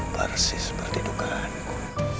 persis seperti dugaanku